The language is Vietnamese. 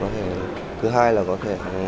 thứ hai là có thể